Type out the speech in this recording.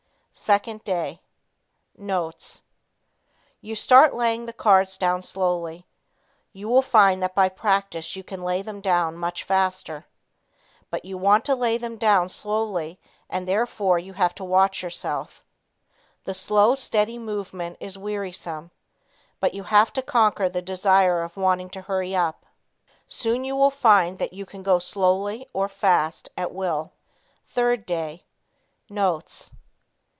2nd Day. Notes. You start laying the cards down slowly. You will find that by practice you can lay them down much faster. But you want to lay them down slowly and therefore you have to watch yourself. The slow, steady movement is wearisome. You have to conquer the desire of wanting to hurry up. Soon you will find that you can go slowly or fast at will. 3rd Day. Notes.